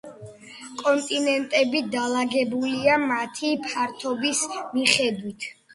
კონტინენტები დალაგებულია მათი ფართობის მიხედვით.